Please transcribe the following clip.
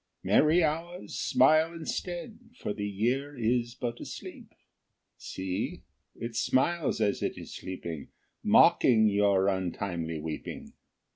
Merry Hours, smile instead, For the Year is but asleep. See, it smiles as it is sleeping, _5 Mocking your untimely weeping.